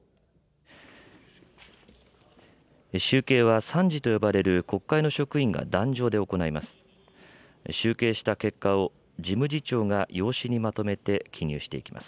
集計は参事と呼ばれる国会の職員が壇上で行います。